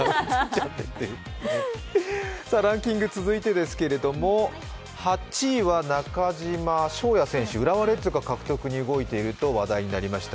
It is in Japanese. ランキング続いてですけれども８位は中島翔哉選手、浦和レッズが獲得に動いているという話題になりました。